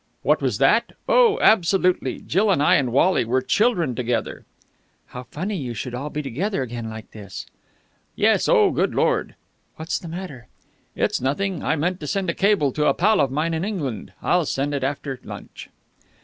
"What was that? Oh, absolutely! Jill and I and Wally were children together." "How funny you should all be together again like this." "Yes. Oh, good Lord!" "What's the matter?" "It's nothing. I meant to send a cable to a pal of mine in England, I'll send it after lunch."